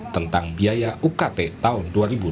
tentang biaya ukt tahun dua ribu dua puluh